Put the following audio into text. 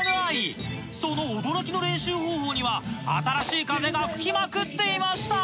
その驚きの練習方法には新しい風が吹きまくっていました！